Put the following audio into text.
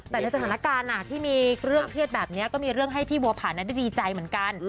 แต่ในสถานการณ์ที่มีเครื่องเครียดแบบนี้ก็มีเรื่องให้พี่บัวผ่านนั้นได้ดีใจเหมือนกัน